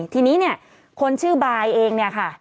ทีนี้คนชื่อใบนี้เอง